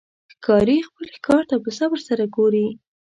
ښکاري خپل ښکار ته په صبر سره ګوري.